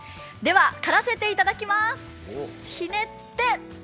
狩らせていただきます。